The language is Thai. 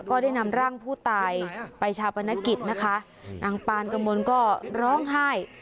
ก็ได้นำร่างผู้ตายไปชาปนกิจนะคะนางปานกระมวลก็ร้องไห้